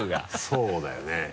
そうだよね。